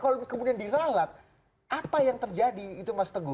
kalau kemudian diralat apa yang terjadi itu mas teguh